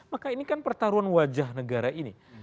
maka ini kan pertaruhan wajah negara ini